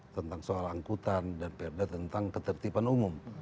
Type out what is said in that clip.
tentang soal angkutan dan perda tentang ketertiban umum